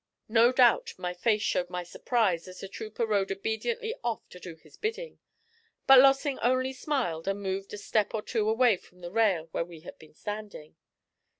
No doubt my face showed my surprise as the trooper rode obediently off to do his bidding; but Lossing only smiled and moved a step or two away from the rail where we had been standing.